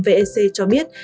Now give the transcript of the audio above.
vec cho biết